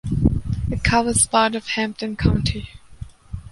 It covers part of Hampden County.